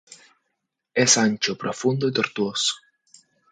Es ancho, profundo y tortuoso.